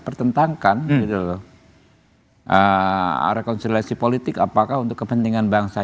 rekonsiliasi politik apakah untuk kepentingan bangsa